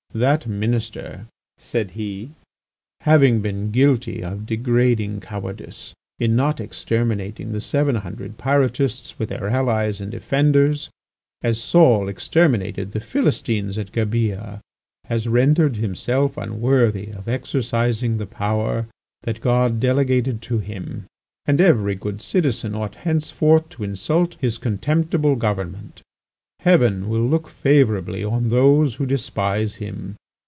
"That Minister," said he, "having been guilty of degrading cowardice in not exterminating the seven hundred Pyrotists with their allies and defenders, as Saul exterminated the Philistines at Gibeah, has rendered himself unworthy of exercising the power that God delegated to him, and every good citizen ought henceforth to insult his contemptible government. Heaven will look favourably on those who despise him.